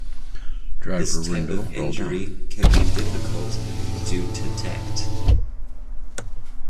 This type of injury can be difficult to detect.